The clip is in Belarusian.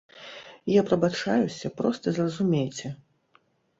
Я прабачаюся, проста зразумейце.